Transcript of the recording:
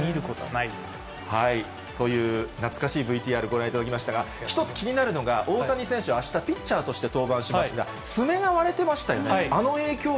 僕はちょっと見ることはないですね。という、懐かしいＶＴＲ、ご覧いただきましたが、一つ気になるのが、大谷選手、あした、ピッチャーとして登板しますが、爪が割れてましたよね。